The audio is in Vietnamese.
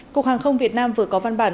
cục hàng không việt nam vừa có văn bản